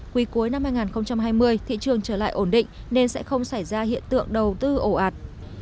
quý cuối năm hai nghìn hai mươi thị trường trở lại ổn định nên sẽ không xảy ra hiện tượng đầu tư ổ ạt